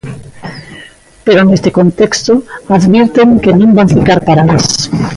Pero neste contexto advirten que non van ficar paradas.